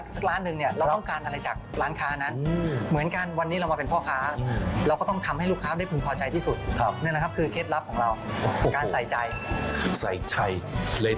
ใส่ใจเลยทำให้ร้านนี้ประสบความเป็นเร็จนะ